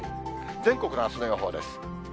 全国のあすの予報です。